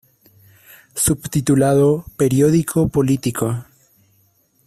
Subtitulado "Periódico político.